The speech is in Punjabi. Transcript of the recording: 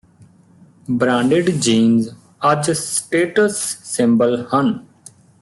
ਬ੍ਰਾਂਡਿਡ ਜੀਨਸ ਅੱਜ ਸਟੇਟਸ ਸਿੰਬਲ ਹਨ